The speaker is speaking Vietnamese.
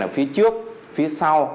ở phía trước phía sau